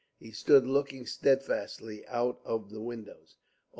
He stood looking steadfastly out of the windows.